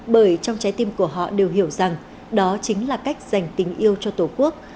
bởi trong trái tim của họ đều hiểu rằng đó chính là cách dành tình yêu cho tổ quốc